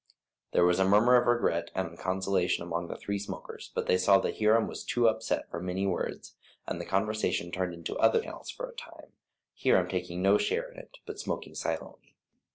There was a murmur of regret and consolation among the three smokers, but they saw that Hiram was too upset for many words, and the conversation turned into other channels for a time, Hiram taking no share in it but smoking silently.